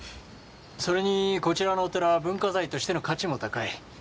それにこちらのお寺は文化財としての価値も高い。